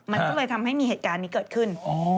มันก็เลยทำให้มีเหตุการณ์นี้เกิดขึ้น